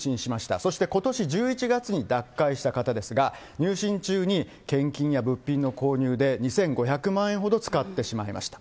そしてことし１１月に脱会した方ですが、入信中に献金や物品の購入で、２５００万円ほど使ってしまいました。